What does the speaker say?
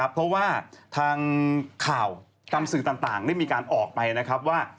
เพราะว่าทางข่าวตามสื่อต่างได้มีการออกไปนะครับว่า